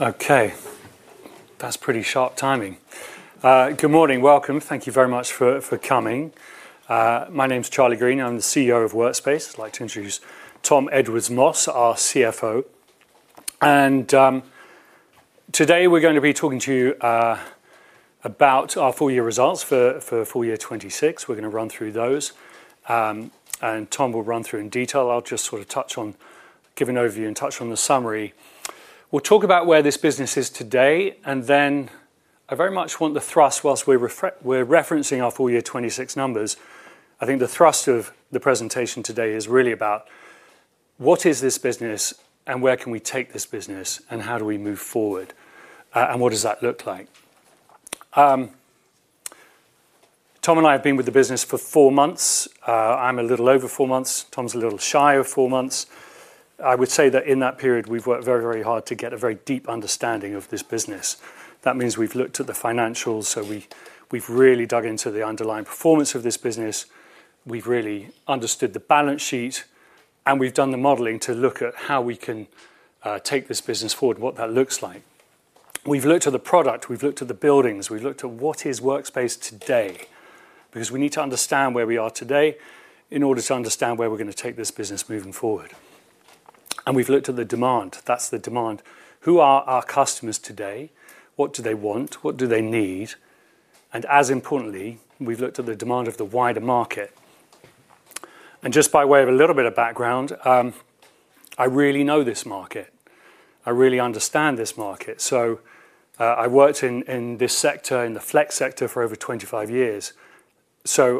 Okay. That is pretty sharp timing. Good morning. Welcome. Thank you very much for coming. My name is Charlie Green, I am the CEO of Workspace. I would like to introduce Tom Edwards-Moss, our CFO. Today we are going to be talking to you about our full year results for full year 2026. We are going to run through those. Tom will run through in detail. I will just give an overview and touch on the summary. We will talk about where this business is today. I very much want the thrust, whilst we are referencing our full year 2026 numbers, I think the thrust of the presentation today is really about what is this business and where can we take this business, and how do we move forward, and what does that look like? Tom and I have been with the business for four months. I am a little over four months. Tom is a little shy of four months. I would say that in that period, we have worked very hard to get a very deep understanding of this business. That means we have looked at the financials. We have really dug into the underlying performance of this business. We have really understood the balance sheet. We have done the modeling to look at how we can take this business forward and what that looks like. We have looked at the product, we have looked at the buildings, we have looked at what is Workspace today, because we need to understand where we are today in order to understand where we are going to take this business moving forward. We have looked at the demand. That is the demand. Who are our customers today? What do they want? What do they need? As importantly, we have looked at the demand of the wider market. Just by way of a little bit of background, I really know this market. I really understand this market. I worked in this sector, in the flex sector for over 25 years.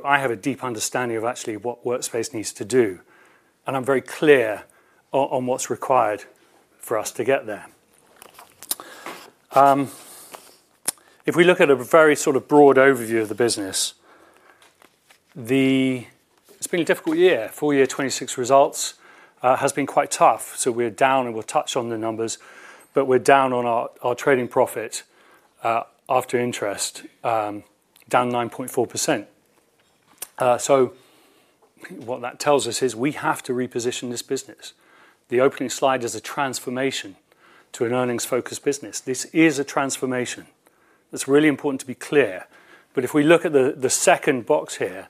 I have a deep understanding of actually what Workspace needs to do. I am very clear on what is required for us to get there. If we look at a very broad overview of the business, it has been a difficult year. Full year 2026 results has been quite tough. We are down. We will touch on the numbers. We are down on our trading profit after interest, down 9.4%. What that tells us is we have to reposition this business. The opening slide is a transformation to an earnings-focused business. This is a transformation. It is really important to be clear. If we look at the second box here,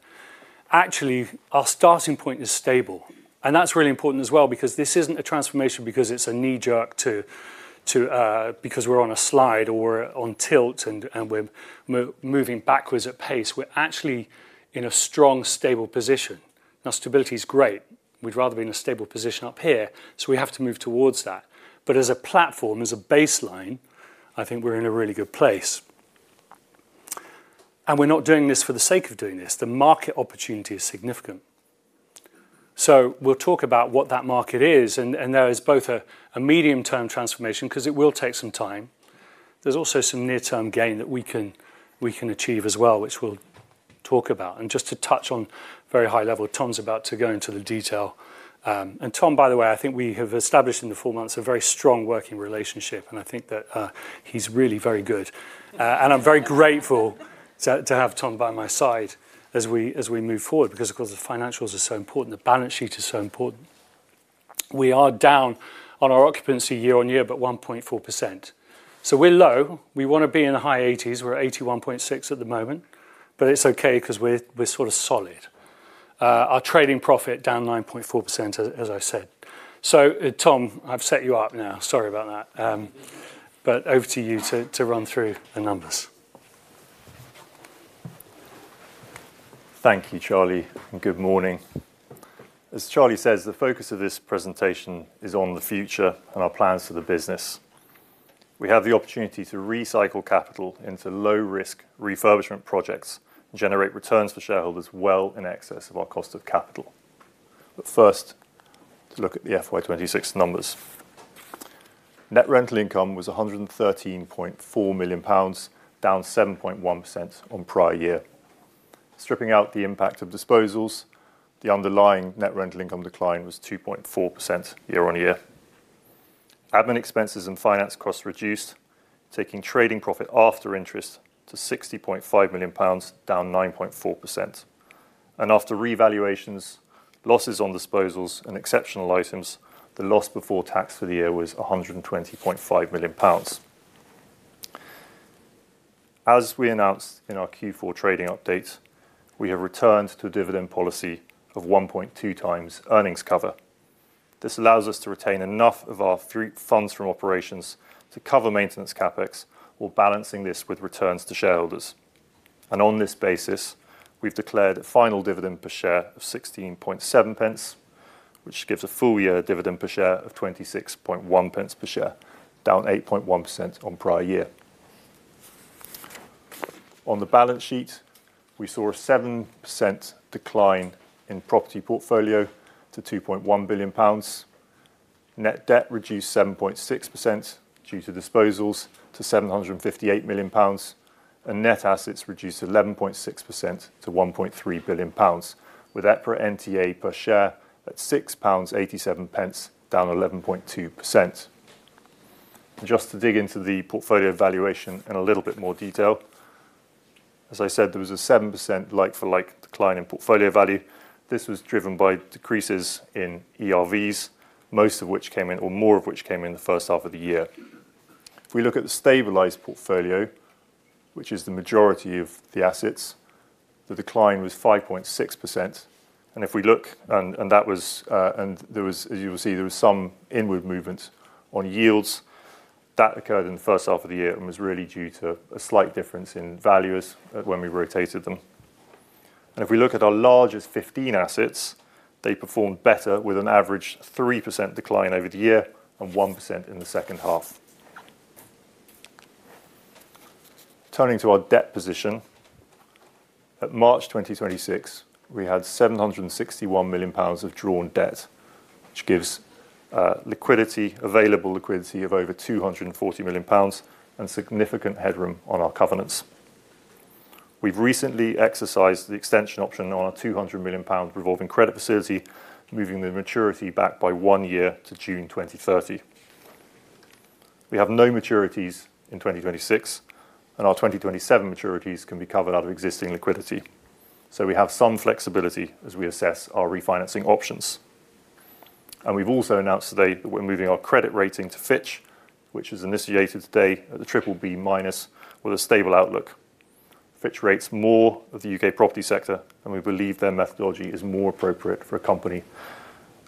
actually, our starting point is stable. That is really important as well, because this is not a transformation because it is a knee-jerk. We are on a slide or on tilt and we are moving backwards at pace. We are actually in a strong, stable position. Now, stability is great. We would rather be in a stable position up here. We have to move towards that. As a platform, as a baseline, I think we are in a really good place. We are not doing this for the sake of doing this. The market opportunity is significant. We will talk about what that market is. There is both a medium-term transformation because it will take some time. There is also some near-term gain that we can achieve as well, which we will talk about. Just to touch on very high level, Tom is about to go into the detail. Tom, by the way, I think we have established in the four months, a very strong working relationship, and I think that he's really very good. I'm very grateful to have Tom by my side as we move forward because, of course, the financials are so important. The balance sheet is so important. We are down on our occupancy year-on-year, but 1.4%. We're low. We want to be in the high 80s. We're at 81.6 at the moment, but it's okay because we're sort of solid. Our trading profit down 9.4%, as I said. Tom, I've set you up now. Sorry about that. Over to you to run through the numbers. Thank you, Charlie, and good morning. As Charlie says, the focus of this presentation is on the future and our plans for the business. We have the opportunity to recycle capital into low-risk refurbishment projects and generate returns for shareholders well in excess of our cost of capital. First, to look at the FY 2026 numbers. Net rental income was 113.4 million pounds, down 7.1% on prior year. Stripping out the impact of disposals, the underlying net rental income decline was 2.4% year-on-year. Admin expenses and finance costs reduced, taking trading profit after interest to 60.5 million pounds, down 9.4%. After revaluations, losses on disposals and exceptional items, the loss before tax for the year was 120.5 million pounds. As we announced in our Q4 trading update, we have returned to a dividend policy of 1.2 times earnings cover. This allows us to retain enough of our funds from operations to cover maintenance CapEx, while balancing this with returns to shareholders. On this basis, we've declared a final dividend per share of 0.167, which gives a full year dividend per share of 0.261 per share, down 8.1% on prior year. On the balance sheet, we saw a 7% decline in property portfolio to 2.1 billion pounds. Net debt reduced 7.6% due to disposals to 758 million pounds and net assets reduced 11.6% to 1.3 billion pounds, with EPRA NTA per share at 6.87 pounds, down 11.2%. Just to dig into the portfolio valuation in a little bit more detail. As I said, there was a 7% like-for-like decline in portfolio value. This was driven by decreases in ERVs, more of which came in the first half of the year. If we look at the stabilized portfolio, which is the majority of the assets, the decline was 5.6%. As you will see, there was some inward movement on yields that occurred in the first half of the year and was really due to a slight difference in value when we rotated them. If we look at our largest 15 assets, they performed better with an average 3% decline over the year and 1% in the second half. Turning to our debt position. At March 2026, we had 761 million pounds of drawn debt, which gives available liquidity of over 240 million pounds and significant headroom on our covenants. We've recently exercised the extension option on our 200 million pound revolving credit facility, moving the maturity back by one year to June 2030. We have no maturities in 2026, and our 2027 maturities can be covered out of existing liquidity. We have some flexibility as we assess our refinancing options. We've also announced today that we're moving our credit rating to Fitch, which was initiated today at the BBB- with a stable outlook. Fitch rates more of the UK property sector, and we believe their methodology is more appropriate for a company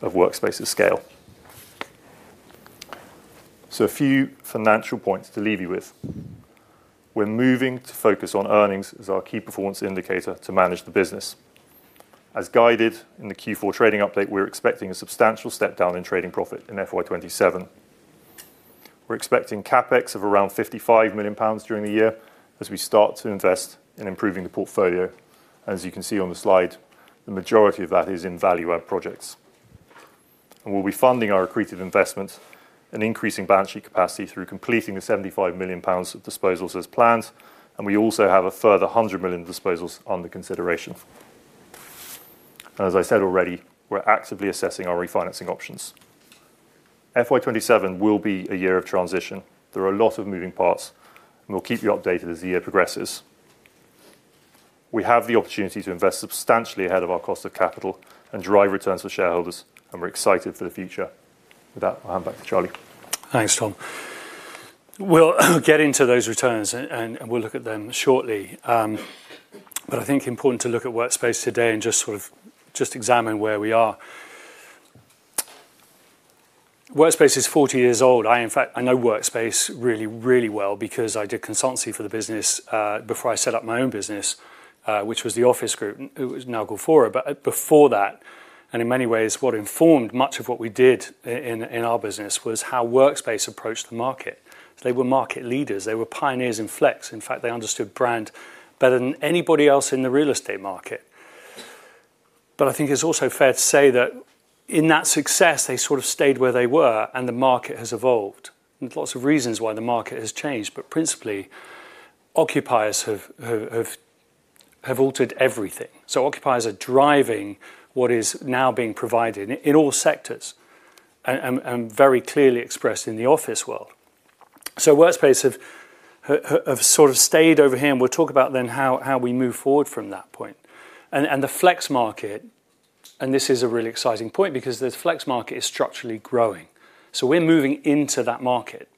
of Workspace's scale. A few financial points to leave you with. We're moving to focus on earnings as our key performance indicator to manage the business. As guided in the Q4 trading update, we're expecting a substantial step down in trading profit in FY 2027. We're expecting CapEx of around 55 million pounds during the year as we start to invest in improving the portfolio. As you can see on the slide, the majority of that is in value add projects. We'll be funding our accretive investments and increasing balance sheet capacity through completing the 75 million pounds of disposals as planned, we also have a further 100 million disposals under consideration. As I said already, we're actively assessing our refinancing options. FY 2027 will be a year of transition. There are a lot of moving parts, and we'll keep you updated as the year progresses. We have the opportunity to invest substantially ahead of our cost of capital and drive returns for shareholders, and we're excited for the future. With that, I'll hand back to Charlie. Thanks, Tom. We'll get into those returns, and we'll look at them shortly. I think important to look at Workspace today and just sort of just examine where we are. Workspace is 40 years old. I know Workspace really well because I did consultancy for the business, before I set up my own business, which was The Office Group. It was now Fora. Before that, and in many ways, what informed much of what we did in our business was how Workspace approached the market. They were market leaders. They were pioneers in flex. In fact, they understood brand better than anybody else in the real estate market. I think it's also fair to say that in that success, they sort of stayed where they were and the market has evolved. There's lots of reasons why the market has changed, but principally, occupiers have altered everything. Occupiers are driving what is now being provided in all sectors and very clearly expressed in the office world. Workspace have sort of stayed over here, and we'll talk about then how we move forward from that point. The flex market, and this is a really exciting point because the flex market is structurally growing. We're moving into that market.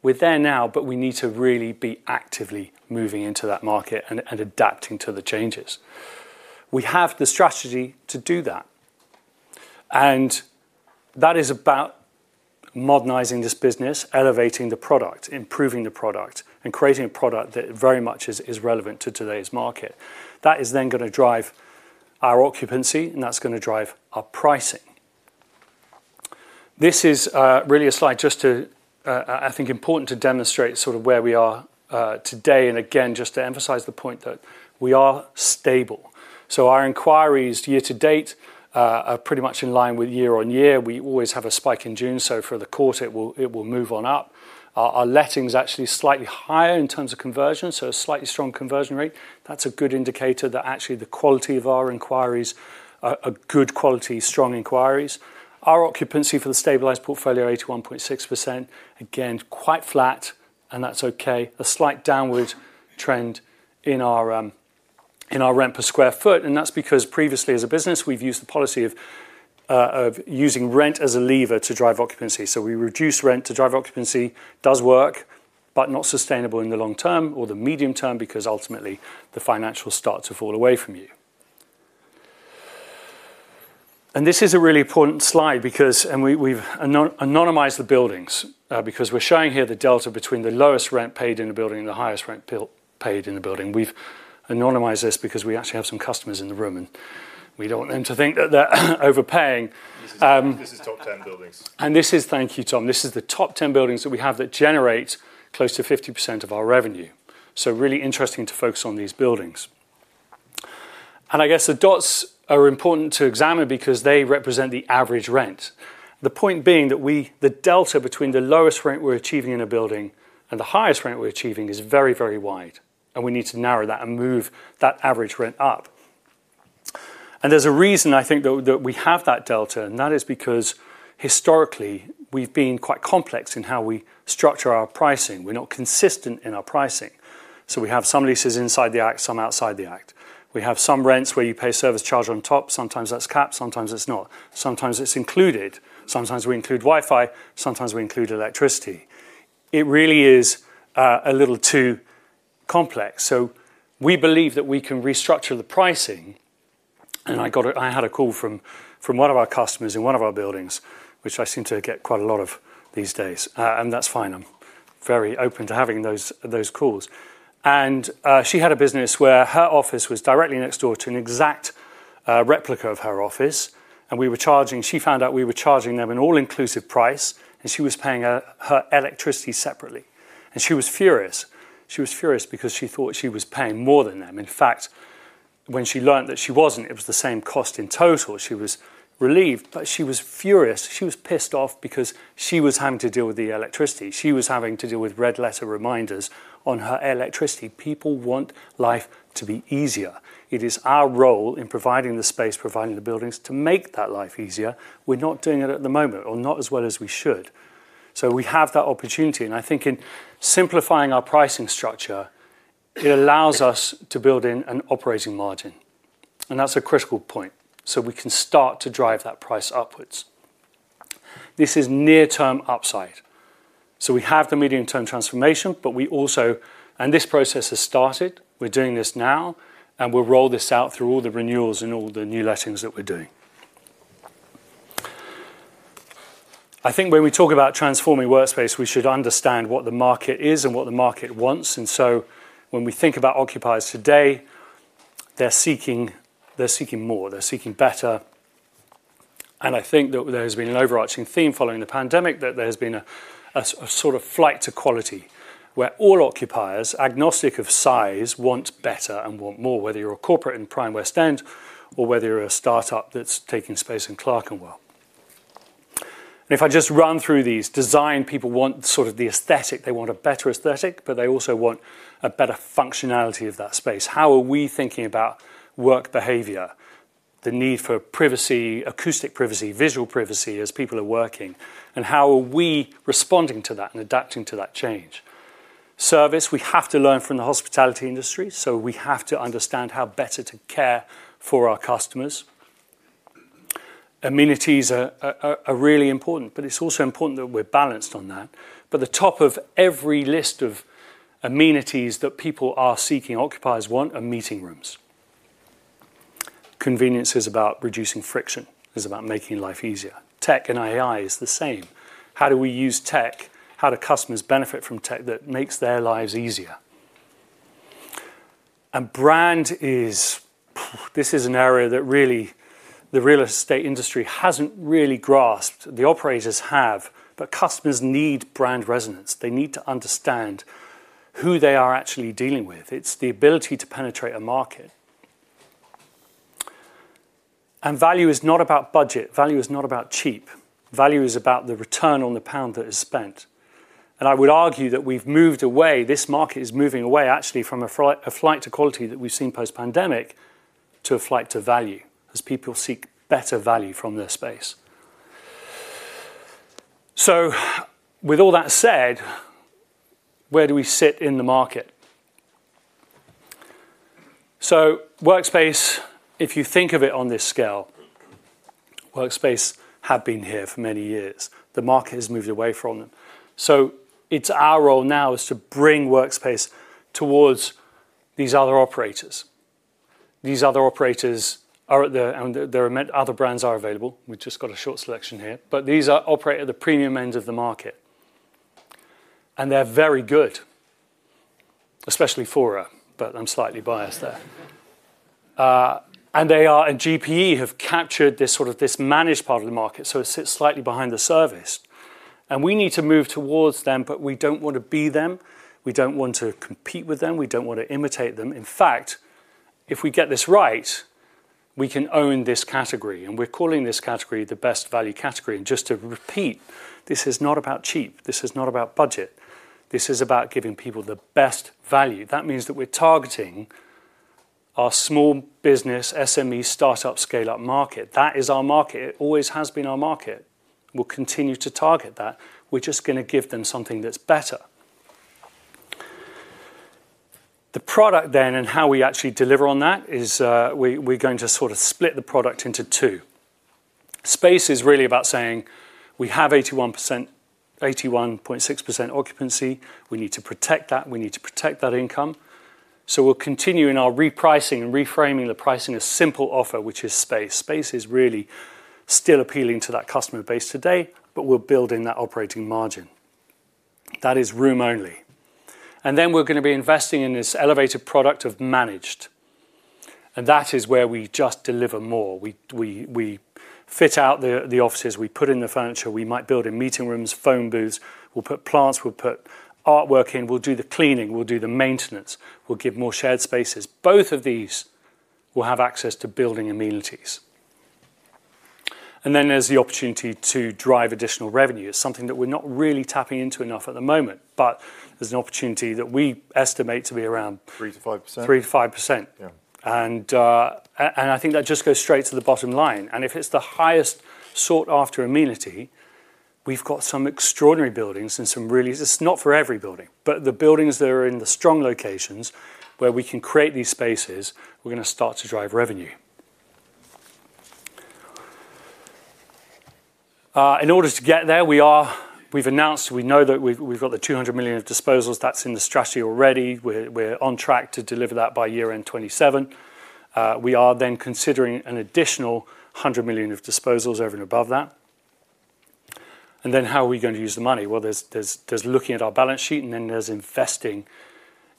We're there now, but we need to really be actively moving into that market and adapting to the changes. We have the strategy to do that, and that is about modernizing this business, elevating the product, improving the product, and creating a product that very much is relevant to today's market. That is then going to drive our occupancy and that's going to drive our pricing. This is really a slide I think important to demonstrate sort of where we are today. Again, just to emphasize the point that we are stable. Our inquiries year to date are pretty much in line with year on year. We always have a spike in June, for the quarter, it will move on up. Our letting is actually slightly higher in terms of conversion, a slightly strong conversion rate. That's a good indicator that actually the quality of our inquiries are good quality, strong inquiries. Our occupancy for the stabilized portfolio, 81.6%. Again, quite flat and that's okay. A slight downward trend in our rent per square foot, that's because previously as a business, we've used the policy of using rent as a lever to drive occupancy. We reduce rent to drive occupancy. Does work, but not sustainable in the long term or the medium term because ultimately the financials start to fall away from you. This is a really important slide because we've anonymized the buildings. We're showing here the delta between the lowest rent paid in the building and the highest rent paid in the building. We've anonymized this because we actually have some customers in the room, we don't want them to think that they're overpaying. This is top 10 buildings. Thank you, Tom. This is the top 10 buildings that we have that generate close to 50% of our revenue. Really interesting to focus on these buildings. I guess the dots are important to examine because they represent the average rent. The point being that the delta between the lowest rent we're achieving in a building and the highest rent we're achieving is very wide, we need to narrow that and move that average rent up. There's a reason I think that we have that delta, that is because historically, we've been quite complex in how we structure our pricing. We're not consistent in our pricing. We have some leases inside the act, some outside the act. We have some rents where you pay service charge on top. Sometimes that's capped, sometimes it's not. Sometimes it's included. Sometimes we include Wi-Fi, sometimes we include electricity. It really is a little too complex. We believe that we can restructure the pricing. I had a call from one of our customers in one of our buildings, which I seem to get quite a lot of these days. That's fine, I'm very open to having those calls. She had a business where her office was directly next door to an exact replica of her office. She found out we were charging them an all-inclusive price. She was paying her electricity separately. She was furious. She was furious because she thought she was paying more than them. In fact, when she learned that she wasn't, it was the same cost in total, she was relieved. She was furious. She was pissed off because she was having to deal with the electricity. She was having to deal with red letter reminders on her electricity. People want life to be easier. It is our role in providing the space, providing the buildings to make that life easier. We're not doing it at the moment or not as well as we should. We have that opportunity, and I think in simplifying our pricing structure, it allows us to build in an operating margin. That's a critical point. We can start to drive that price upwards. This is near-term upside. We have the medium-term transformation. We also. This process has started. We're doing this now, and we'll roll this out through all the renewals and all the new lettings that we're doing. I think when we talk about transforming Workspace, we should understand what the market is and what the market wants. When we think about occupiers today, they're seeking more, they're seeking better. I think that there's been an overarching theme following the pandemic that there's been a sort of flight to quality, where all occupiers, agnostic of size, want better and want more, whether you're a corporate in Prime West End or whether you're a startup that's taking space in Clerkenwell. If I just run through these, design people want sort of the aesthetic. They want a better aesthetic, but they also want a better functionality of that space. How are we thinking about work behavior, the need for privacy, acoustic privacy, visual privacy as people are working, and how are we responding to that and adapting to that change? Service, we have to learn from the hospitality industry. We have to understand how better to care for our customers. Amenities are really important. It's also important that we're balanced on that. The top of every list of amenities that people are seeking, occupiers want are meeting rooms. Convenience is about reducing friction, is about making life easier. Tech and AI is the same. How do we use tech? How do customers benefit from tech that makes their lives easier? Brand is. This is an area that really the real estate industry hasn't really grasped. The operators have, but customers need brand resonance. They need to understand who they are actually dealing with. It's the ability to penetrate a market. Value is not about budget. Value is not about cheap. Value is about the return on the pound that is spent. I would argue that we've moved away. This market is moving away, actually, from a flight to quality that we've seen post-pandemic to a flight to value as people seek better value from their space. With all that said, where do we sit in the market? Workspace, if you think of it on this scale, Workspace have been here for many years. The market has moved away from them. It's our role now is to bring Workspace towards these other operators. These other operators are at the. There are many other brands are available. We've just got a short selection here. These operate at the premium end of the market. They're very good, especially Fora, but I'm slightly biased there. GPE have captured this managed part of the market, so it sits slightly behind the service. We need to move towards them, but we don't want to be them. We don't want to compete with them. We don't want to imitate them. In fact, if we get this right, we can own this category. We're calling this category the best value category. Just to repeat, this is not about cheap. This is not about budget. This is about giving people the best value. That means that we're targeting our small business, SME, startup, scale-up market. That is our market. It always has been our market. We'll continue to target that. We're just going to give them something that's better. The product then and how we actually deliver on that is we're going to sort of split the product into two. Space is really about saying we have 81.6% occupancy. We need to protect that. We need to protect that income. We're continuing our repricing and reframing the pricing, a simple offer, which is space. Space is really still appealing to that customer base today, but we're building that operating margin. That is room only. We're going to be investing in this elevated product of managed. That is where we just deliver more. We fit out the offices. We put in the furniture. We might build in meeting rooms, phone booths. We'll put plants. We'll put artwork in. We'll do the cleaning. We'll do the maintenance. We'll give more shared spaces. Both of these will have access to building amenities. There's the opportunity to drive additional revenue. It's something that we're not really tapping into enough at the moment, but there's an opportunity that we estimate to be around. 3%-5%. 3%-5%. I think that just goes straight to the bottom line. If it's the highest sought-after amenity, we've got some extraordinary buildings and some really. It's not for every building, but the buildings that are in the strong locations where we can create these spaces, we're going to start to drive revenue. In order to get there, we've announced, we know that we've got the 200 million of disposals. That's in the strategy already. We're on track to deliver that by year-end 2027. We are considering an additional 100 million of disposals over and above that. How are we going to use the money? Well, there's looking at our balance sheet, and there's investing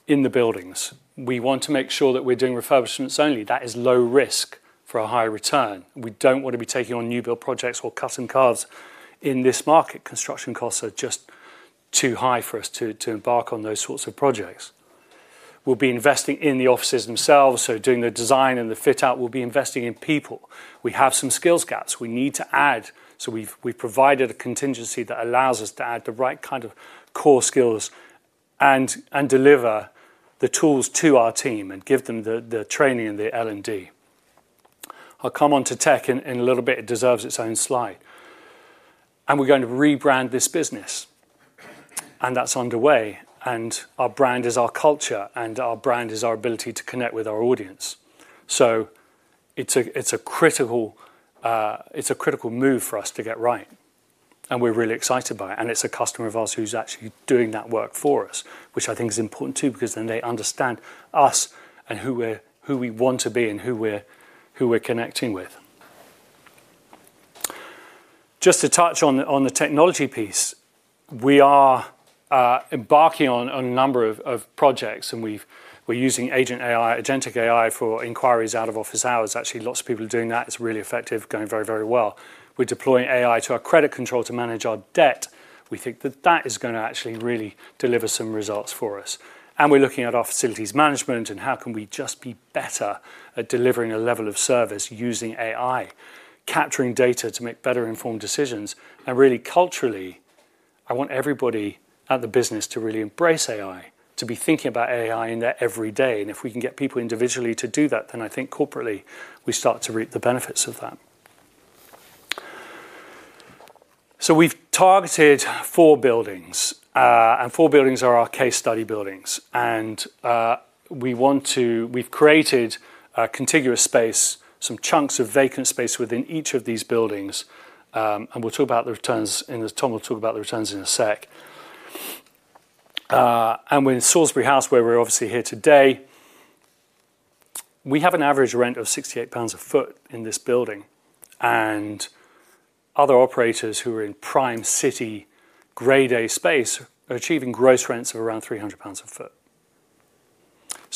in the buildings. We want to make sure that we're doing refurbishments only. That is low risk for a high return. We don't want to be taking on new build projects or cutting costs in this market. Construction costs are just too high for us to embark on those sorts of projects. We'll be investing in the offices themselves, so doing the design and the fit-out. We'll be investing in people. We have some skills gaps we need to add, so we've provided a contingency that allows us to add the right kind of core skills and deliver the tools to our team and give them the training and the L&D. I'll come on to tech in a little bit. It deserves its own slide. We're going to rebrand this business. That's underway. Our brand is our culture. Our brand is our ability to connect with our audience. It's a critical move for us to get right, and we're really excited by it. It's a customer of ours who's actually doing that work for us, which I think is important too, because then they understand us and who we want to be and who we're connecting with. Just to touch on the technology piece, we are embarking on a number of projects. We're using agentic AI for inquiries out of office hours. Actually, lots of people are doing that. It's really effective, going very well. We're deploying AI to our credit control to manage our debt. We think that that is going to actually really deliver some results for us. We're looking at our facilities management and how can we just be better at delivering a level of service using AI, capturing data to make better-informed decisions. Really culturally, I want everybody at the business to really embrace AI, to be thinking about AI in their every day. If we can get people individually to do that, I think corporately we start to reap the benefits of that. We've targeted four buildings, and four buildings are our case study buildings. We've created a contiguous space, some chunks of vacant space within each of these buildings. Tom will talk about the returns in a sec. We're in Salisbury House, where we're obviously here today. We have an average rent of 68 pounds a foot in this building. Other operators who are in Prime City Grade A space are achieving gross rents of around 300 pounds a foot.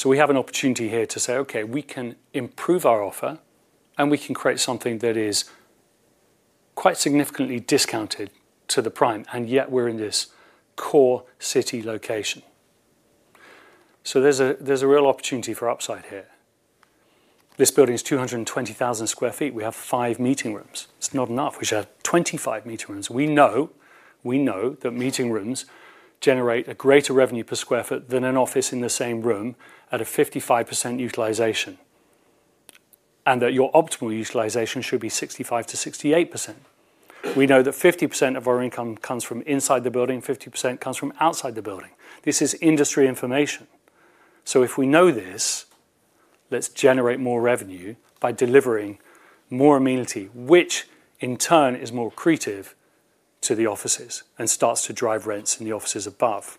We have an opportunity here to say, okay, we can improve our offer. We can create something that is quite significantly discounted to the prime, yet we're in this core city location. There's a real opportunity for upside here. This building is 220,000 sq ft. We have five meeting rooms. It's not enough. We should have 25 meeting rooms. We know that meeting rooms generate a greater revenue per square foot than an office in the same room at a 55% utilization, and that your optimal utilization should be 65%-68%. We know that 50% of our income comes from inside the building. 50% comes from outside the building. This is industry information. If we know this, let's generate more revenue by delivering more amenity, which in turn is more accretive to the offices and starts to drive rents in the offices above.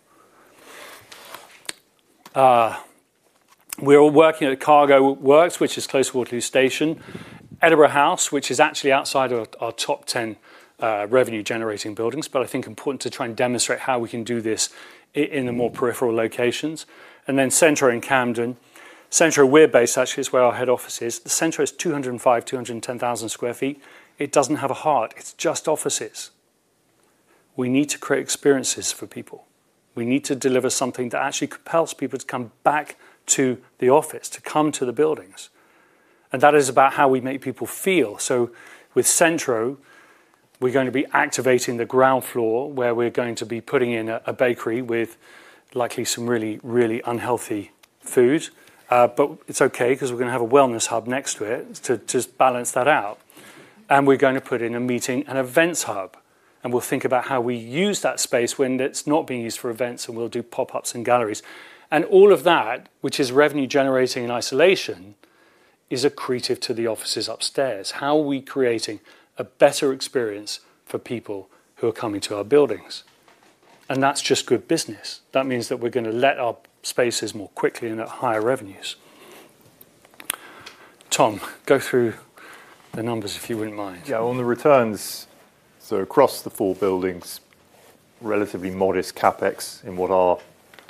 We're all working at Cargo Works, which is close to Waterloo Station. Edinburgh House, which is actually outside of our top 10 revenue-generating buildings. I think important to try and demonstrate how we can do this in the more peripheral locations. Centro in Camden. Centro, where based actually is where our head office is. Centro is 205,000-210,000 sq ft. It doesn't have a heart. It's just offices. We need to create experiences for people. We need to deliver something that actually compels people to come back to the office, to come to the buildings. That is about how we make people feel. With Centro, we're going to be activating the ground floor, where we're going to be putting in a bakery with likely some really unhealthy food. It's okay because we're going to have a wellness hub next to it to just balance that out. We're going to put in a meeting and events hub. We'll think about how we use that space when it's not being used for events. We'll do pop-ups and galleries. All of that, which is revenue generating in isolation, is accretive to the offices upstairs, how we're creating a better experience for people who are coming to our buildings. That's just good business. That means that we're going to let our spaces more quickly and at higher revenues. Tom, go through the numbers, if you wouldn't mind. On the returns. Across the four buildings, relatively modest CapEx in what are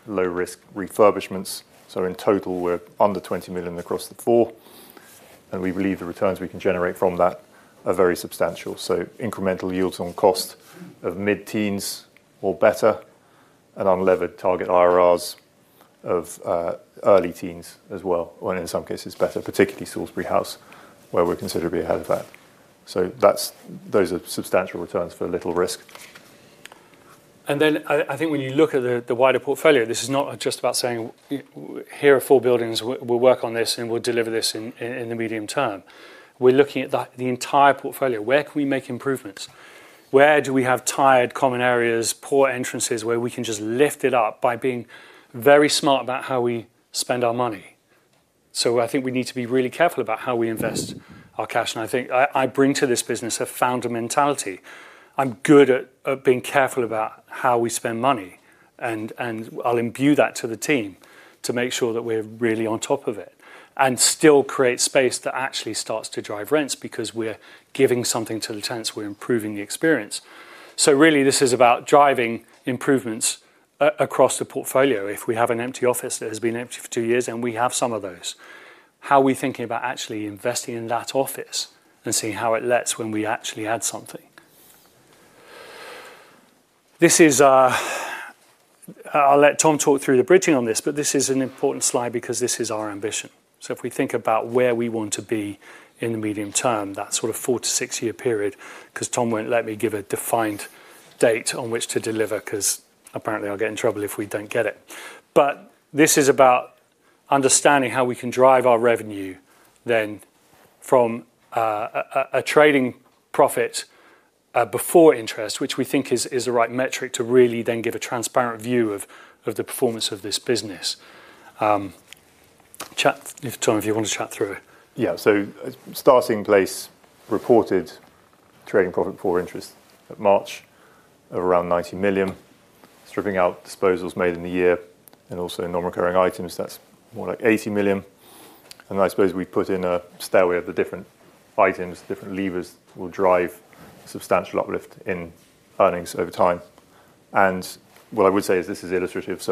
low-risk refurbishments. In total, we're under 20 million across the four, and we believe the returns we can generate from that are very substantial. Incremental yields on cost of mid-teens or better. Unlevered target IRRs of early teens as well, or in some cases better, particularly Salisbury House, where we're considerably ahead of that. Those are substantial returns for little risk. I think when you look at the wider portfolio, this is not just about saying, "Here are four buildings. We'll work on this, and we'll deliver this in the medium term." We're looking at the entire portfolio. Where can we make improvements? Where do we have tired common areas, poor entrances, where we can just lift it up by being very smart about how we spend our money? I think we need to be really careful about how we invest our cash, and I think I bring to this business a founder mentality. I'm good at being careful about how we spend money, and I'll imbue that to the team to make sure that we're really on top of it and still create space that actually starts to drive rents because we're giving something to the tenants. We're improving the experience. Really, this is about driving improvements across the portfolio. If we have an empty office that has been empty for two years, and we have some of those. How are we thinking about actually investing in that office and seeing how it lets when we actually add something? I'll let Tom talk through the bridging on this, but this is an important slide because this is our ambition. If we think about where we want to be in the medium term, that sort of four to six-year period, because Tom won't let me give a defined date on which to deliver, because apparently, I'll get in trouble if we don't get it. This is about understanding how we can drive our revenue then from a trading profit before interest, which we think is the right metric to really then give a transparent view of the performance of this business. Tom, if you want to chat through. Starting place reported trading profit for interest at March of around 90 million. Stripping out disposals made in the year and also non-recurring items, that's more like 80 million. I suppose we put in a stairway of the different items. Different levers will drive substantial uplift in earnings over time. What I would say is this is illustrative.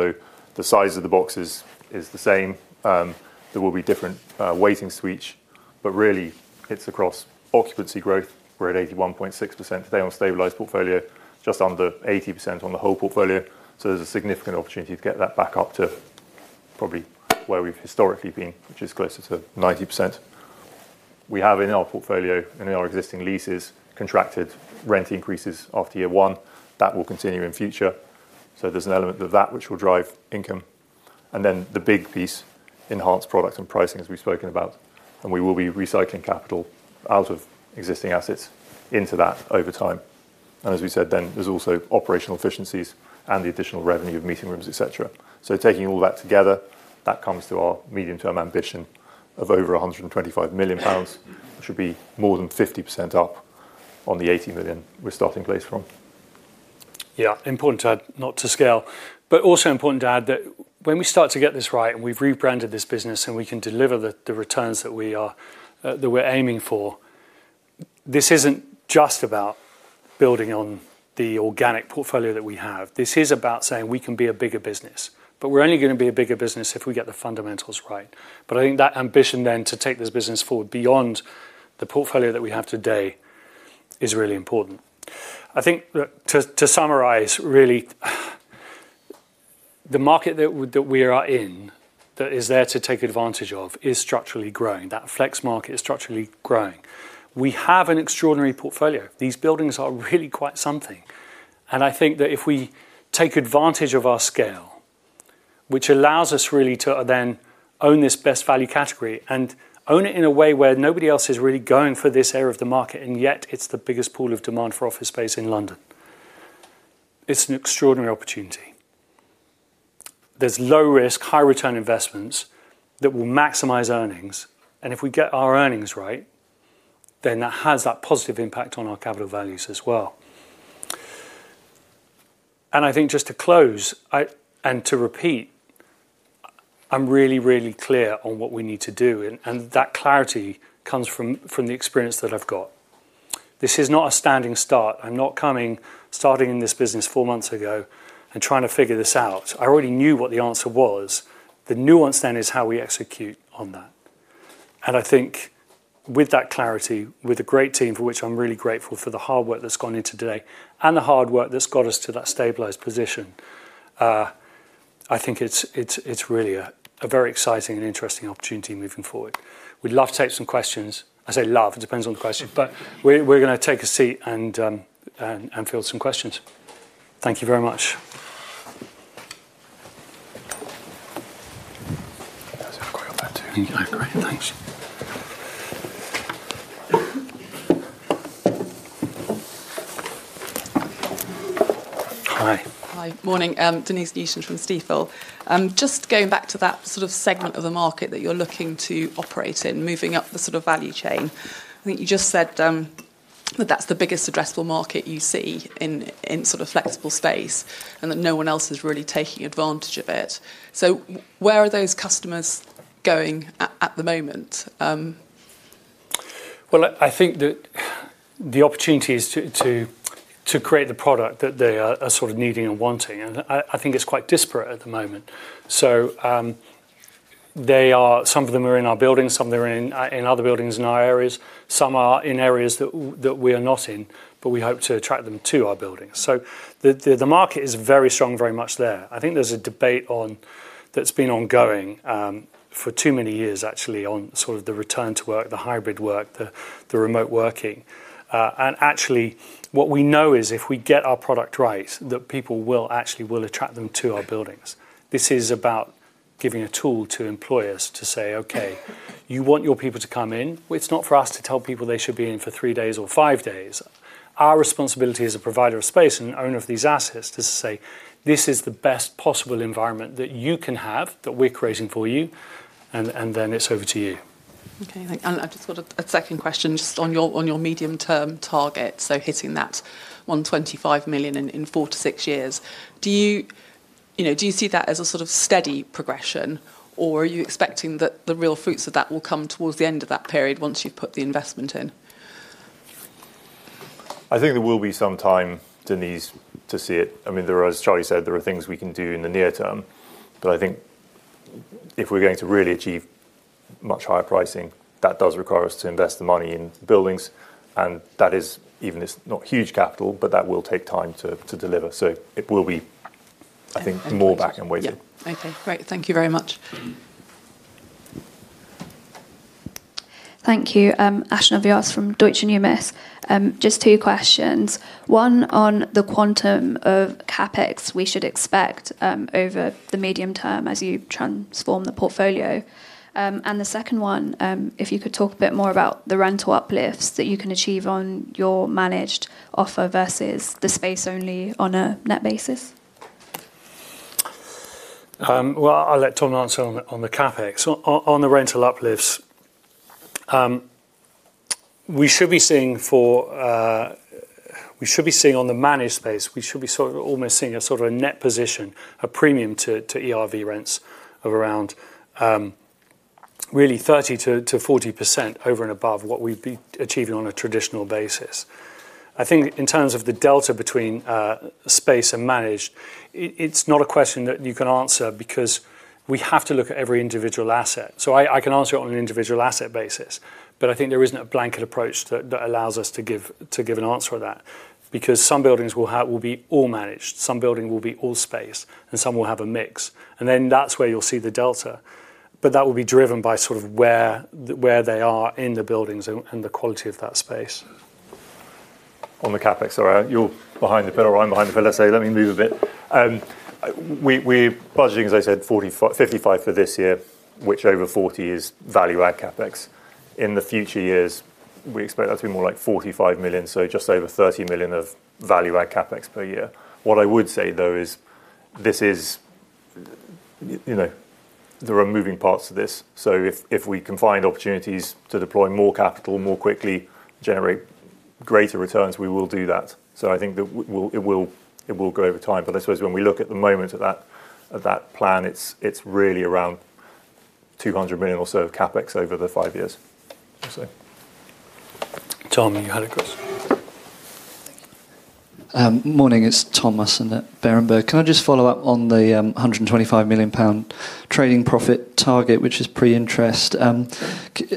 The size of the boxes is the same. There will be different weightings, which, but really it's across occupancy growth. We're at 81.6% today on stabilized portfolio, just under 80% on the whole portfolio. There's a significant opportunity to get that back up to probably where we've historically been, which is closer to 90%. We have in our portfolio and in our existing leases contracted rent increases after year one. That will continue in future. There's an element of that which will drive income. The big piece, enhanced products and pricing, as we've spoken about. We will be recycling capital out of existing assets into that over time. There's also operational efficiencies and the additional revenue of meeting rooms, et cetera. Taking all that together, that comes to our medium-term ambition of over 125 million pounds, which will be more than 50% up on the 80 million we're starting place from. Important to add, not to scale. Also important to add that when we start to get this right and we've rebranded this business and we can deliver the returns that we're aiming for, this isn't just about building on the organic portfolio that we have. This is about saying we can be a bigger business. We're only going to be a bigger business if we get the fundamentals right. I think that ambition then to take this business forward beyond the portfolio that we have today is really important. I think to summarize, really, the market that we are in, that is there to take advantage of, is structurally growing. That flex market is structurally growing. We have an extraordinary portfolio. These buildings are really quite something. I think that if we take advantage of our scale, which allows us really to then own this best value category and own it in a way where nobody else is really going for this area of the market, and yet it's the biggest pool of demand for office space in London. It's an extraordinary opportunity. There's low risk, high return investments that will maximize earnings. If we get our earnings right, then that has that positive impact on our capital values as well. I think just to close and to repeat, I'm really, really clear on what we need to do, and that clarity comes from the experience that I've got. This is not a standing start. I'm not starting in this business four months ago and trying to figure this out. I already knew what the answer was. The nuance is how we execute on that. I think with that clarity, with a great team for which I'm really grateful for the hard work that's gone into today and the hard work that's got us to that stabilized position, I think it's really a very exciting and interesting opportunity moving forward. We'd love to take some questions. I say love. It depends on the question. We're going to take a seat and field some questions. Thank you very much. Hi. Morning. Denese Newton from Stifel. Just going back to that sort of segment of the market that you're looking to operate in, moving up the sort of value chain. I think you just said that that's the biggest addressable market you see in sort of flexible space and that no one else is really taking advantage of it. Where are those customers going at the moment? Well, I think that the opportunity is to create the product that they are sort of needing and wanting, and I think it's quite disparate at the moment. Some of them are in our buildings, some are in other buildings in our areas. Some are in areas that we are not in, but we hope to attract them to our buildings. The market is very strong, very much there. I think there's a debate that's been ongoing for too many years, actually, on sort of the return to work, the hybrid work, the remote working. Actually, what we know is if we get our product right, that people will actually attract them to our buildings. This is about giving a tool to employers to say, okay, you want your people to come in. It's not for us to tell people they should be in for three days or five days. Our responsibility as a provider of space and owner of these assets is to say, "This is the best possible environment that you can have, that we're creating for you, and then it's over to you. Okay. I've just got a second question just on your medium-term target, so hitting that 125 million in four to six years. Do you see that as a sort of steady progression, or are you expecting that the real fruits of that will come towards the end of that period once you've put the investment in? I think there will be some time, Denese, to see it. As Charlie said, there are things we can do in the near term, but I think if we're going to really achieve much higher pricing, that does require us to invest the money in buildings and that is, even if it's not huge capital, but that will take time to deliver. It will be, I think, more back end weighted. Yeah. Okay, great. Thank you very much. Thank you. Ashnaa Vyas from Deutsche Numis. Just two questions. One on the quantum of CapEx we should expect over the medium term as you transform the portfolio. The second one, if you could talk a bit more about the rental uplifts that you can achieve on your managed offer versus the space only on a net basis. Well, I'll let Tom answer on the CapEx. On the rental uplifts, we should be seeing on the managed space, we should be almost seeing a sort of a net position, a premium to ERV rents of around really 30%-40% over and above what we'd be achieving on a traditional basis. I think in terms of the delta between space and managed, it's not a question that you can answer because we have to look at every individual asset. I can answer it on an individual asset basis, but I think there isn't a blanket approach that allows us to give an answer to that. Some buildings will be all managed, some building will be all space, and some will have a mix. Then that's where you'll see the delta. That will be driven by sort of where they are in the buildings and the quality of that space. On the CapEx, all right, you're behind the pillar, I'm behind the pillar. Let me move a bit. We're budgeting, as I said, 55 for this year, which over 40 is value-add CapEx. In the future years, we expect that to be more like 45 million, just over 30 million of value-add CapEx per year. What I would say, though, is there are moving parts to this. If we can find opportunities to deploy more capital more quickly, generate greater returns, we will do that. I think it will grow over time. I suppose when we look at the moment of that plan, it's really around 200 million or so of CapEx over the five years. Tom, you had it first. Morning, it's Thomas at Berenberg. Can I just follow up on the 125 million pound trading profit target, which is pre-interest. Are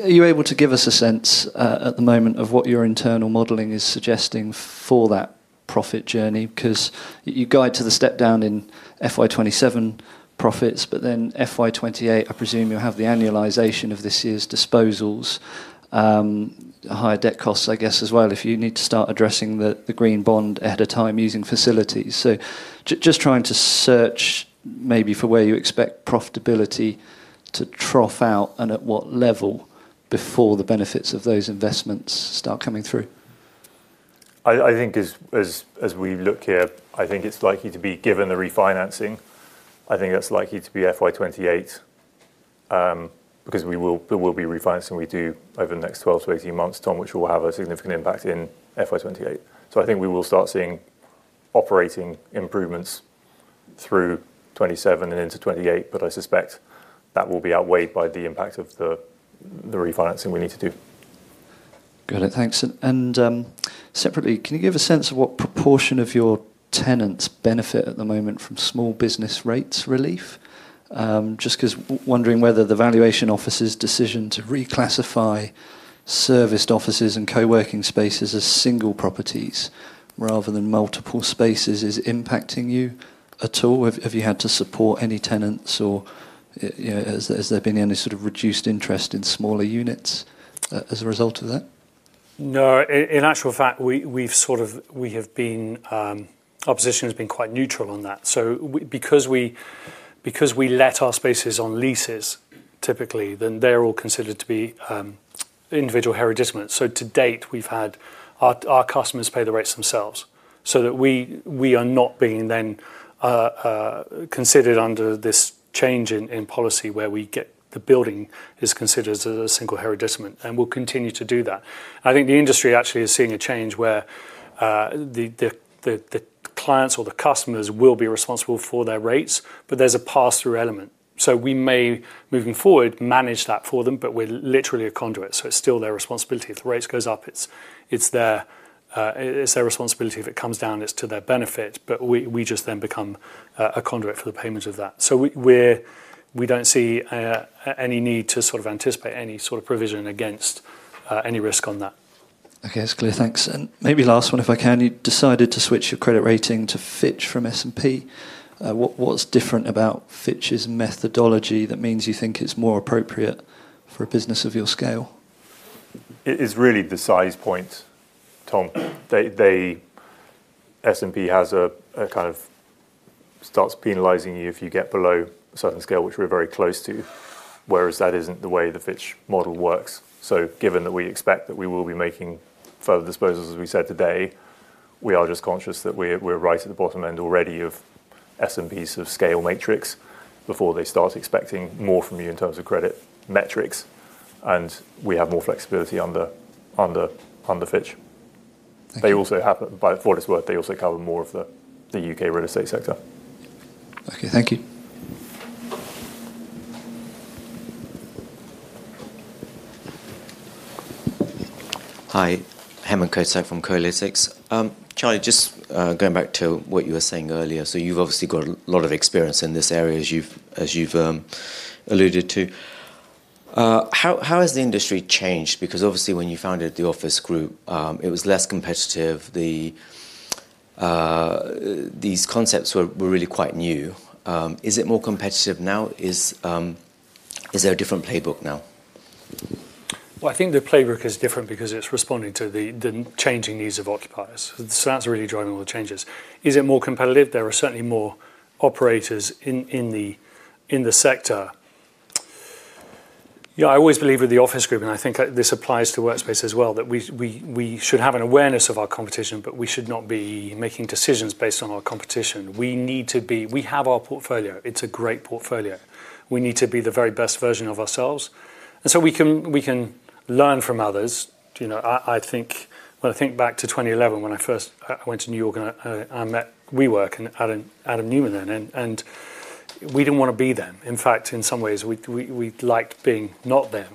you able to give us a sense at the moment of what your internal modeling is suggesting for that profit journey? Because you guide to the step down in FY 2027 profits, then FY 2028, I presume you have the annualization of this year's disposals. Higher debt costs, I guess as well, if you need to start addressing the green bond ahead of time using facilities. Just trying to search maybe for where you expect profitability to trough out and at what level before the benefits of those investments start coming through. As we look here, I think it's likely to be, given the refinancing, I think that's likely to be FY 2028, because there will be refinancing we do over the next 12-18 months, Tom, which will have a significant impact in FY 2028. I think we will start seeing operating improvements through 2027 and into 2028, I suspect that will be outweighed by the impact of the refinancing we need to do. Got it. Thanks. Separately, can you give a sense of what proportion of your tenants benefit at the moment from Small Business Rates Relief? Just because wondering whether the valuation officer's decision to reclassify serviced offices and co-working spaces as single hereditaments rather than multiple spaces is impacting you at all? Have you had to support any tenants or has there been any sort of reduced interest in smaller units as a result of that? No, in actual fact, our position has been quite neutral on that. Because we let our spaces on leases typically, they're all considered to be individual hereditaments. To date, we've had our customers pay the rates themselves so that we are not being then considered under this change in policy where we get the building is considered as a single hereditament, and we'll continue to do that. I think the industry actually is seeing a change where the clients or the customers will be responsible for their rates, but there's a pass-through element. We may, moving forward, manage that for them, but we're literally a conduit, it's still their responsibility. If the rates goes up, it's their responsibility. If it comes down, it's to their benefit. We just then become a conduit for the payment of that. We don't see any need to sort of anticipate any sort of provision against any risk on that. Okay, that's clear. Thanks. Maybe last one, if I can. You decided to switch your credit rating to Fitch from S&P. What's different about Fitch's methodology that means you think it's more appropriate for a business of your scale? It is really the size point, Tom. S&P starts penalizing you if you get below a certain scale, which we're very close to, whereas that isn't the way the Fitch model works. Given that we expect that we will be making further disposals, as we said today, we are just conscious that we're right at the bottom end already of S&P's scale matrix before they start expecting more from you in terms of credit metrics, and we have more flexibility under Fitch. For what it's worth, they also cover more of the U.K. real estate sector. Okay, thank you. Hi. Hemant. Charlie, just going back to what you were saying earlier. You've obviously got a lot of experience in this area, as you've alluded to. How has the industry changed? Because obviously when you founded The Office Group, it was less competitive. These concepts were really quite new. Is it more competitive now? Is there a different playbook now? I think the playbook is different because it's responding to the changing needs of occupiers. That's really driving all the changes. Is it more competitive? There are certainly more operators in the sector. I always believe with The Office Group, and I think that this applies to Workspace as well, that we should have an awareness of our competition, but we should not be making decisions based on our competition. We have our portfolio. It's a great portfolio. We need to be the very best version of ourselves, we can learn from others. When I think back to 2011, when I first went to New York I met WeWork and Adam Neumann then, We didn't want to be them. In fact, in some ways, we liked being not them.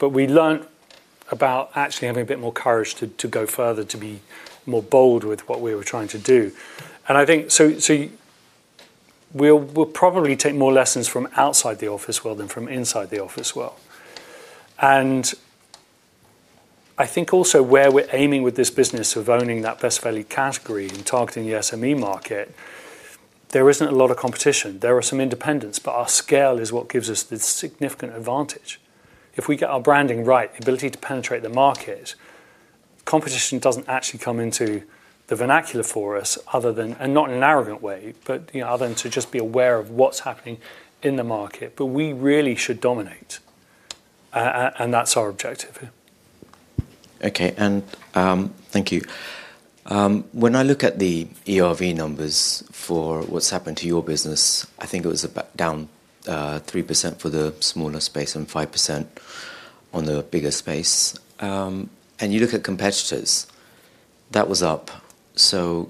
We learned about actually having a bit more courage to go further, to be more bold with what we were trying to do. We'll probably take more lessons from outside the office world than from inside the office world. I think also where we're aiming with this business of owning that best value category and targeting the SME market, there isn't a lot of competition. There are some independents, Our scale is what gives us the significant advantage. If we get our branding right, the ability to penetrate the market, competition doesn't actually come into the vernacular for us other than, and not in an arrogant way, Other than to just be aware of what's happening in the market. We really should dominate, and that's our objective. Okay. Thank you. When I look at the ERV numbers for what's happened to your business, I think it was down 3% for the smaller space and 5% on the bigger space. You look at competitors, that was up.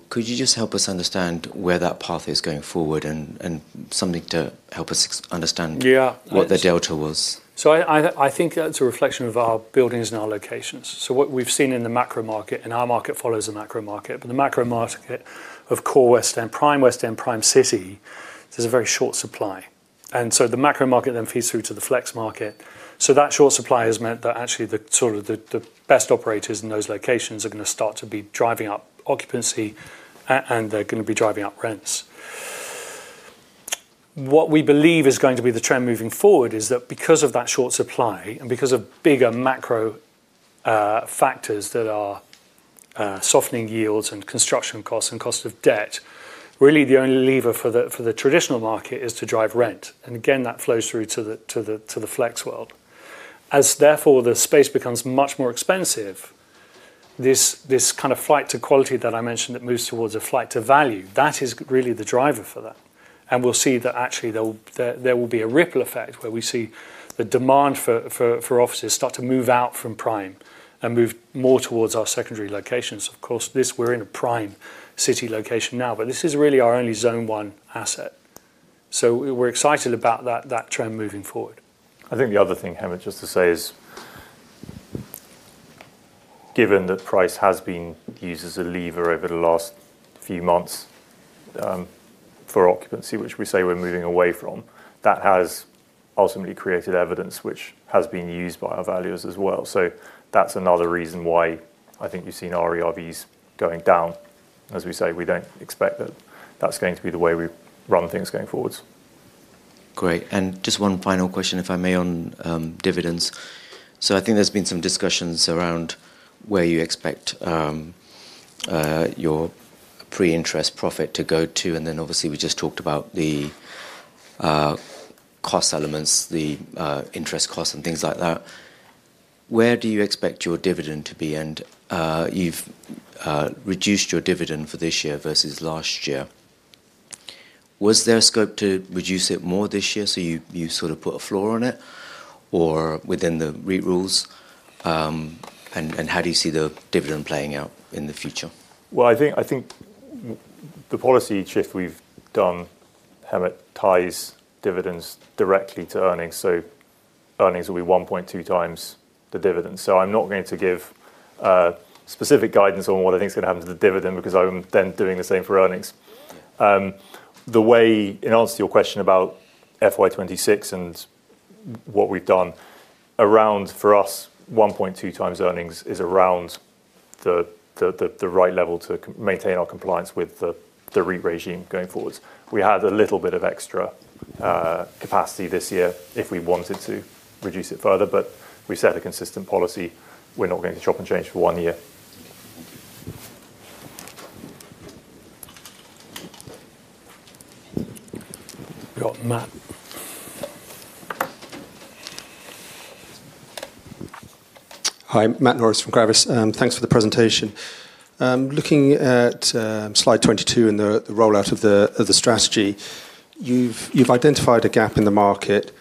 Could you just help us understand where that path is going forward and something to help us understand what the delta was? I think that's a reflection of our buildings and our locations. What we've seen in the macro market, and our market follows the macro market, but the macro market of core West End, prime West End, prime City, there's a very short supply. The macro market then feeds through to the flex market. That short supply has meant that actually the best operators in those locations are going to start to be driving up occupancy, and they're going to be driving up rents. What we believe is going to be the trend moving forward is that because of that short supply and because of bigger macro factors that are softening yields and construction costs and cost of debt, really the only lever for the traditional market is to drive rent, and again, that flows through to the flex world. Therefore the space becomes much more expensive, this flight to quality that I mentioned, it moves towards a flight to value. That is really the driver for that. We'll see that actually there will be a ripple effect where we see the demand for offices start to move out from prime and move more towards our secondary locations. Of course, we're in a prime City location now, but this is really our only zone one asset. We're excited about that trend moving forward. I think the other thing, Hemant, just to say is, given that price has been used as a lever over the last few months, for occupancy, which we say we're moving away from, that has ultimately created evidence which has been used by our valuers as well. That's another reason why I think you've seen our ERVs going down. We say, we don't expect that that's going to be the way we run things going forwards. Just one final question, if I may, on dividends. I think there's been some discussions around where you expect your pre-interest profit to go to, then obviously we just talked about the cost elements, the interest costs, and things like that. Where do you expect your dividend to be? You've reduced your dividend for this year versus last year. Was there a scope to reduce it more this year, so you sort of put a floor on it, or within the REIT rules? How do you see the dividend playing out in the future? Well, I think the policy shift we've done, Hemant, ties dividends directly to earnings. Earnings will be 1.2 times the dividend. I'm not going to give specific guidance on what I think is going to happen to the dividend because I'm then doing the same for earnings. In answer to your question about FY 2026 and what we've done. For us, 1.2 times earnings is around the right level to maintain our compliance with the REIT regime going forward. We had a little bit of extra capacity this year if we wanted to reduce it further, we set a consistent policy. We're not going to chop and change for one year. We got Matt. Hi, Matt Norris from Gravis. Thanks for the presentation. Looking at slide 22 and the rollout of the strategy, you've identified a gap in the market.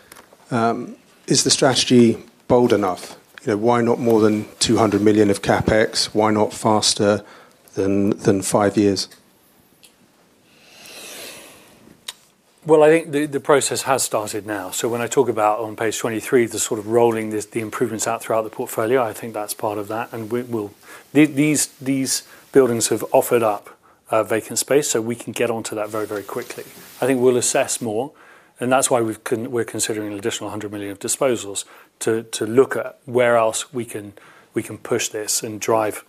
Is the strategy bold enough? Why not more than 200 million of CapEx? Why not faster than five years? I think the process has started now. When I talk about, on page 23, the sort of rolling the improvements out throughout the portfolio, I think that's part of that. These buildings have offered up vacant space, so we can get onto that very quickly. I think we'll assess more, and that's why we're considering an additional 100 million of disposals to look at where else we can push this and drive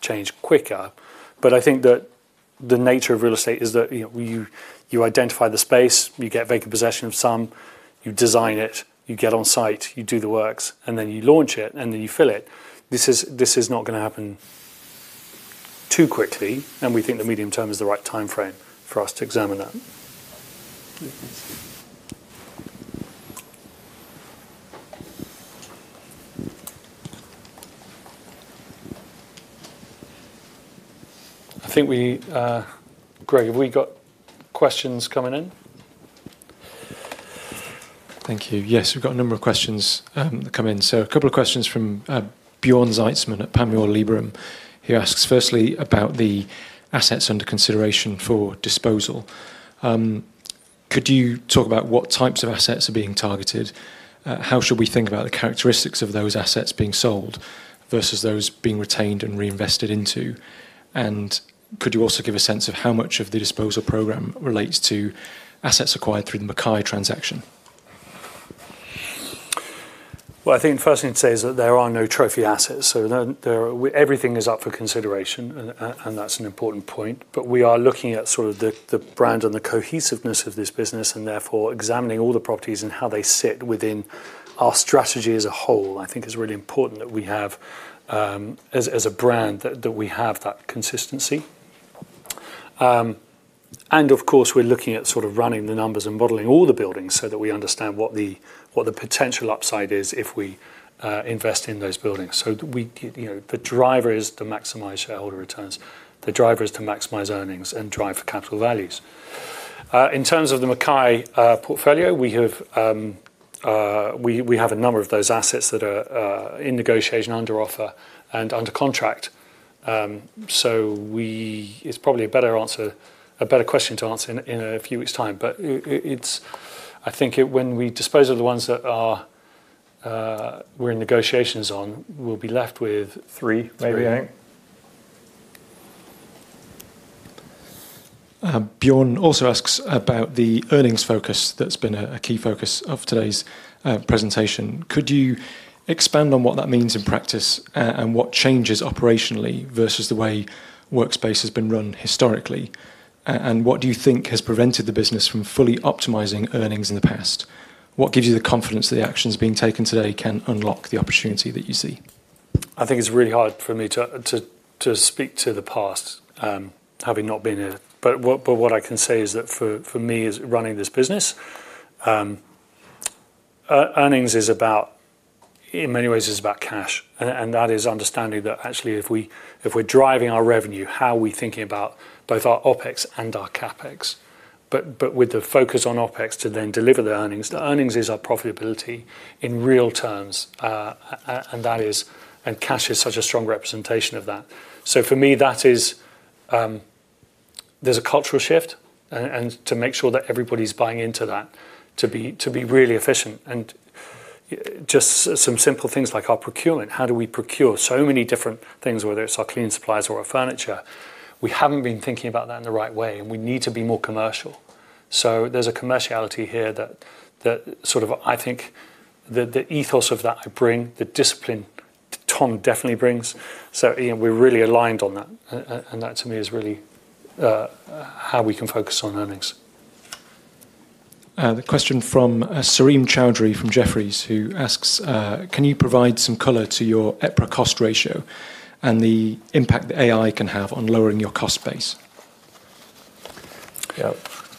change quicker. I think that the nature of real estate is that you identify the space, you get vacant possession of some, you design it, you get on site, you do the works, and then you launch it, and then you fill it. This is not going to happen too quickly, and we think the medium term is the right timeframe for us to examine that. Greg, have we got questions coming in? Thank you. Yes, we've got a number of questions that come in. A couple of questions from Bjorn Zietsman at Panmure Liberum. He asks, firstly, about the assets under consideration for disposal. Could you talk about what types of assets are being targeted? How should we think about the characteristics of those assets being sold versus those being retained and reinvested into? Could you also give a sense of how much of the disposal program relates to assets acquired through the McKay transaction? I think the first thing to say is that there are no trophy assets, everything is up for consideration, and that's an important point. We are looking at the brand and the cohesiveness of this business, and therefore examining all the properties and how they sit within our strategy as a whole, I think is really important that we have, as a brand, that we have that consistency. Of course, we're looking at sort of running the numbers and modeling all the buildings so that we understand what the potential upside is if we invest in those buildings. The driver is to maximize shareholder returns. The driver is to maximize earnings and drive for capital values. In terms of the McKay portfolio, we have a number of those assets that are in negotiation, under offer, and under contract. It's probably a better question to answer in a few weeks' time. I think when we dispose of the ones that we're in negotiations on, we'll be left with three, maybe. Bjorn also asks about the earnings focus that has been a key focus of today's presentation. Could you expand on what that means in practice and what changes operationally versus the way Workspace has been run historically? What do you think has prevented the business from fully optimizing earnings in the past? What gives you the confidence that the actions being taken today can unlock the opportunity that you see? I think it is really hard for me to speak to the past, having not been here. What I can say is that for me, running this business, earnings, in many ways, is about cash. That is understanding that actually if we are driving our revenue, how are we thinking about both our OpEx and our CapEx? With the focus on OpEx to then deliver the earnings. The earnings is our profitability in real terms, and cash is such a strong representation of that. For me, there is a cultural shift, and to make sure that everybody is buying into that to be really efficient. Just some simple things like our procurement. How do we procure so many different things, whether it is our cleaning supplies or our furniture? We have not been thinking about that in the right way, and we need to be more commercial. There is a commerciality here that I think the ethos of that I bring, the discipline Tom definitely brings. Ian, we are really aligned on that, and that to me is really how we can focus on earnings. The question from Sarim Chaudhry from Jefferies, who asks, can you provide some color to your EPRA cost ratio and the impact that AI can have on lowering your cost base? Well,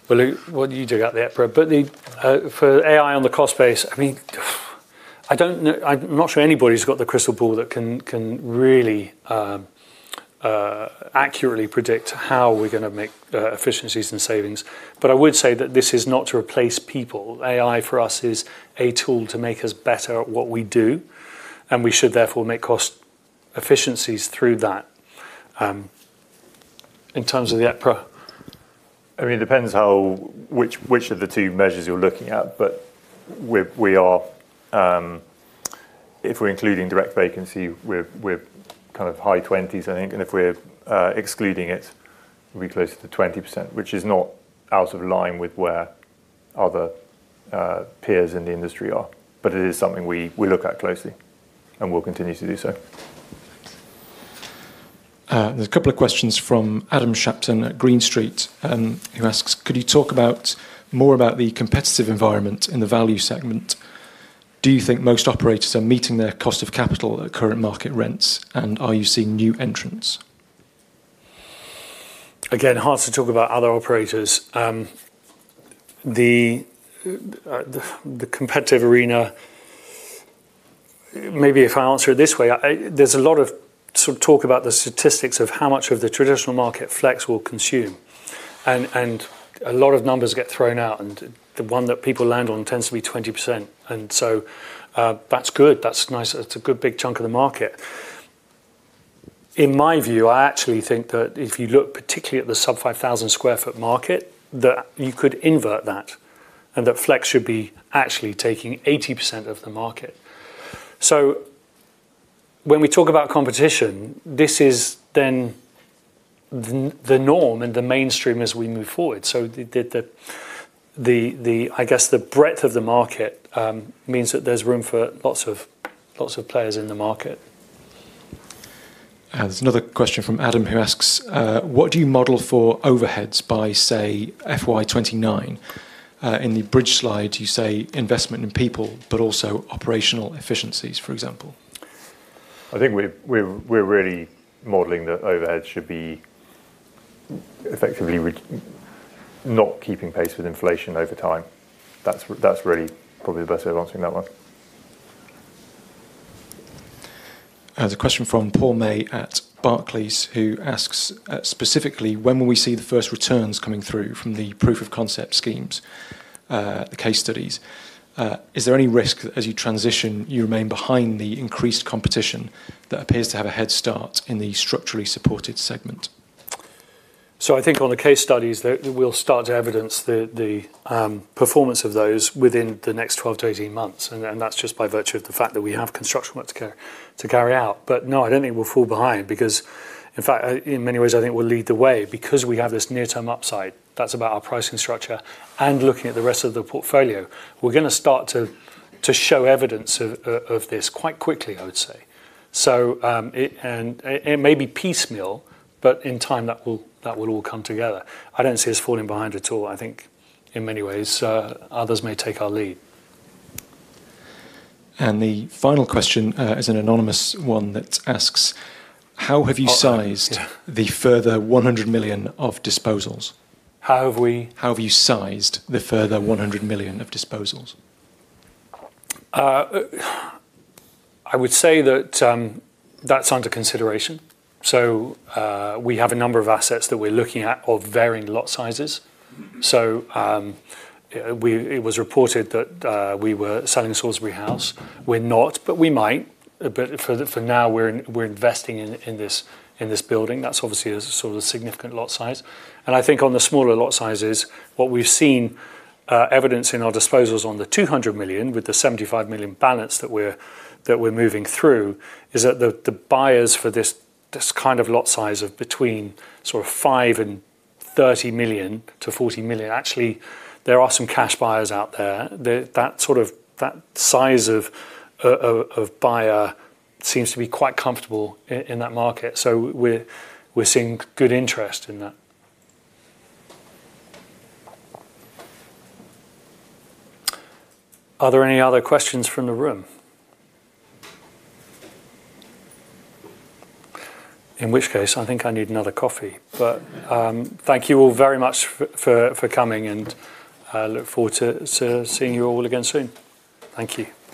Lou, what do you do about the EPRA? For AI on the cost base, I'm not sure anybody's got the crystal ball that can really accurately predict how we're going to make efficiencies and savings. I would say that this is not to replace people. AI, for us, is a tool to make us better at what we do, and we should therefore make cost efficiencies through that. In terms of the EPRA. It depends which of the two measures you're looking at, but we are. If we're including direct vacancy, we're high 20s, I think, and if we're excluding it, we'll be closer to 20%, which is not out of line with where other peers in the industry are. It is something we look at closely and will continue to do so. There's a couple of questions from Adam Shapton at Green Street, who asks, "Could you talk more about the competitive environment in the value segment? Do you think most operators are meeting their cost of capital at current market rents, and are you seeing new entrants? Hard to talk about other operators. The competitive arena, maybe if I answer it this way, there's a lot of talk about the statistics of how much of the traditional market flex will consume, and a lot of numbers get thrown out, and the one that people land on tends to be 20%. That's good. That's nice. That's a good big chunk of the market. In my view, I actually think that if you look particularly at the sub 5,000 sq ft market, that you could invert that and that flex should be actually taking 80% of the market. When we talk about competition, this is then the norm and the mainstream as we move forward. I guess the breadth of the market means that there's room for lots of players in the market. There's another question from Adam who asks, "What do you model for overheads by, say, FY 2029? In the bridge slide you say investment in people but also operational efficiencies, for example. I think we're really modeling that overhead should be effectively not keeping pace with inflation over time. That's really probably the best way of answering that one. There's a question from Paul May at Barclays who asks, "Specifically, when will we see the first returns coming through from the proof of concept schemes, the case studies? Is there any risk that as you transition, you remain behind the increased competition that appears to have a head start in the structurally supported segment? I think on the case studies, we'll start to evidence the performance of those within the next 12-18 months, and that's just by virtue of the fact that we have construction work to carry out. No, I don't think we'll fall behind because, in fact, in many ways, I think we'll lead the way because we have this near-term upside that's about our pricing structure and looking at the rest of the portfolio. We're going to start to show evidence of this quite quickly, I would say. It may be piecemeal, but in time that will all come together. I don't see us falling behind at all. I think, in many ways, others may take our lead. The final question is an anonymous one that asks, "How have you sized the further 100 million of disposals? How have we? How have you sized the further 100 million of disposals? I would say that's under consideration. We have a number of assets that we're looking at of varying lot sizes. It was reported that we were selling Salisbury House. We're not, but we might. For now, we're investing in this building. That's obviously a sort of significant lot size. I think on the smaller lot sizes, what we've seen, evidence in our disposals on the 200 million with the 75 million balance that we're moving through, is that the buyers for this kind of lot size of between sort of 5 million and 30 million-40 million, actually, there are some cash buyers out there. That size of buyer seems to be quite comfortable in that market. We are seeing good interest in that. Are there any other questions from the room? In which case, I think I need another coffee. Thank you all very much for coming, and I look forward to seeing you all again soon. Thank you.